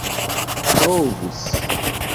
provus